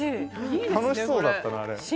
楽しそうだったなあれ。